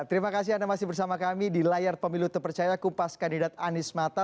terima kasih anda masih bersama kami di layar pemilu terpercaya kupas kandidat anies mata